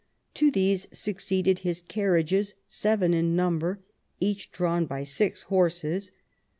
To these succeeded his carriages, seven in number, each drawn by six horses.